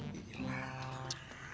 dih lah lah